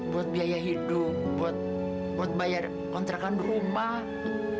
buat biaya hidup buat bayar kontrakan rumah